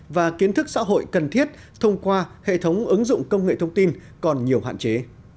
và kiến thức xã hội cần thiết thông qua hệ thống ứng dụng công nghệ thông tin còn nhiều hạn chế